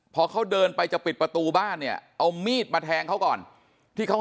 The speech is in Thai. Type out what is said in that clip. พอเขาเดินไปจะปิดประตูบ้านเนี่ยเอามีดมาแทงเขาก่อนที่เขา